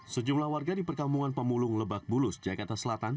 sejumlah warga di perkampungan pemulung lebak bulus jakarta selatan